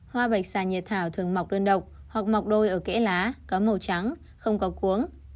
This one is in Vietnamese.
hoa bạch sàn nhiệt thảo thường mọc đơn độc hoặc mọc đôi ở kẽ lá có màu trắng không có cuốn